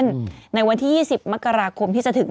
มีสารตั้งต้นเนี่ยคือยาเคเนี่ยใช่ไหมคะ